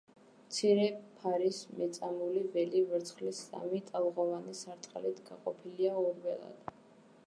მცირე ფარის მეწამული ველი ვერცხლის სამი ტალღოვანი სარტყელით გაყოფილია ორ ველად.